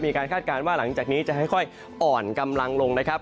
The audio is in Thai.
คาดการณ์ว่าหลังจากนี้จะค่อยอ่อนกำลังลงนะครับ